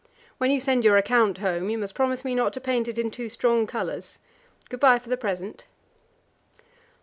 When you send your account home, you must promise me not to paint it in too strong colours. Good bye for the present."